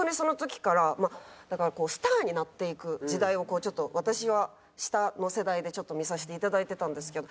まあだからこうスターになっていく時代を私は下の世代で見させて頂いてたんですけど。